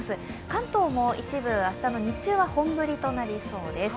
関東も一部、明日の日中は本降りとなりそうです。